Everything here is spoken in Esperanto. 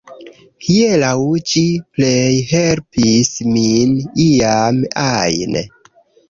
Hieraŭ, ĝi plej helpis min iam ajn